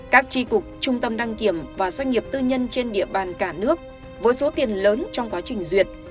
các tri cục trung tâm đăng kiểm và doanh nghiệp tư nhân trên địa bàn cả nước với số tiền lớn trong quá trình duyệt